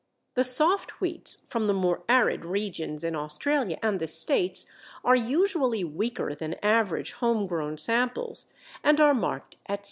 The soft wheats from the more arid regions in Australia and the States are usually weaker than average home grown samples, and are marked at 60.